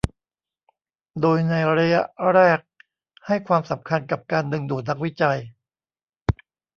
โดยในระยะแรกให้ความสำคัญกับการดึงดูดนักวิจัย